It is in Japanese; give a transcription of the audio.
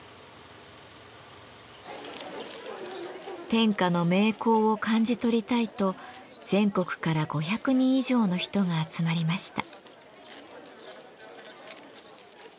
天下の名香を感じ取りたいと全国から５００人以上の人が集まりました。